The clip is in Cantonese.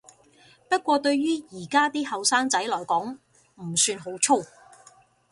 不過對於而家啲後生仔來講唔算好粗